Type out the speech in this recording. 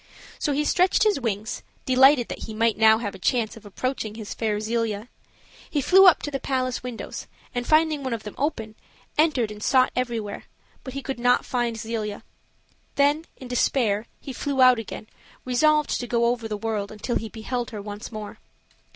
So he stretched his wings, delighted that he might now have a chance of approaching his fair Zelia. He flew up to the palace windows, and, finding one of them open, entered and sought everywhere, but he could not find Zelia. Then, in despair, he flew out again, resolved to go over the world until he beheld her once more.